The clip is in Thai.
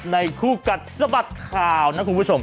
ในคู่กัดสมัติข่าวนะคุณผู้ชม